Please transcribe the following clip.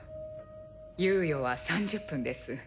猶予は３０分です。